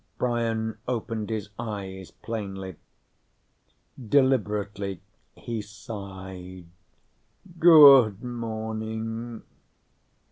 Brian opened his eyes plainly. Deliberately, he sighed. "Good morning."